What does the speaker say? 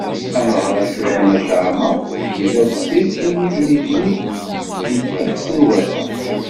Ameɣras Laymac Aɛmaṛ, yellan deffir n tlalit n Yitri n Tefriqt n Ugafa.